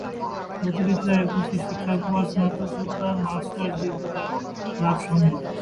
অতিরিক্ত এক বছর শিক্ষার পর স্নাতকোত্তর মাস্টার্স ডিগ্রী লাভ সম্ভব।